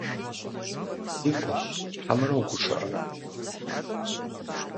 Уи фӏэщ хьэмэрэ угушыӏэрэ?